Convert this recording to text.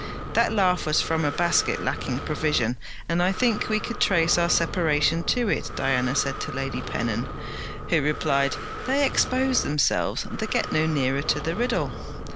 'That laugh was from a basket lacking provision; and I think we could trace our separation to it,' Diana said to Lady Pennon, who replied: 'They expose themselves; they get no nearer to the riddle.'